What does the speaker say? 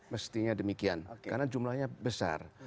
mestinya demikian karena jumlahnya besar